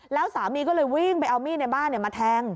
แล้วสามีก็เลยวิ่งไปเอามีดในบ้านมาแทง